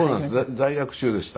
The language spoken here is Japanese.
在学中でした。